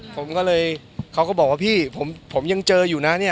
ผมก็เลยเขาก็บอกว่าพี่ผมยังเจออยู่นะเนี่ย